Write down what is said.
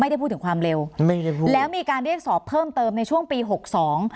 ได้พูดถึงความเร็วไม่ได้พูดแล้วมีการเรียกสอบเพิ่มเติมในช่วงปีหกสอง